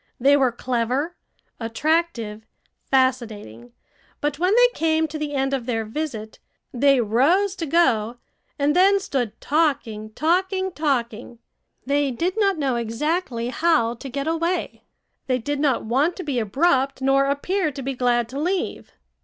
They were clever, attractive, fascinating; but when they came to the end of their visit, they rose to go, and then stood talking, talking, talking. They did not know exactly how to get away. They did not want to be abrupt nor appear to be glad to leave.